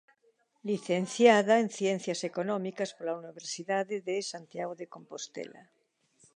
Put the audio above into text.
Licenciada en Ciencias Económicas pola Universidade de Santiago de Compostela.